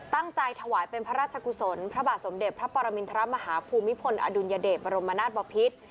ถวายเป็นพระราชกุศลพระบาทสมเด็จพระปรมินทรมาฮภูมิพลอดุลยเดชบรมนาศบพิษ